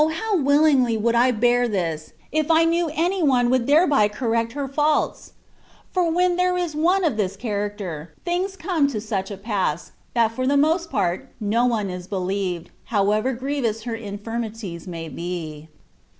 how willingly would I bear this, if I knew any one would thereby correct her THE WAY OF PERFECTION". 55 faults ! For when there is one of this character,* things come to such a pass, that for the most i^srt no one is believed, however grievous her infirmi ties may be.